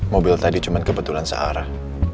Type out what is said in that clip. mobil tadi cuma kebetulan searah